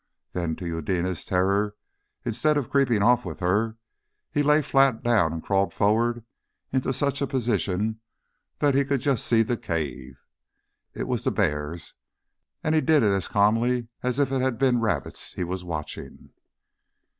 Then to Eudena's terror, instead of creeping off with her, he lay flat down and crawled forward into such a position that he could just see the cave. It was bears and he did it as calmly as if it had been rabbits he was watching!